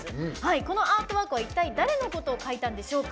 このアートワークは、一体誰のことを描いたんでしょうか。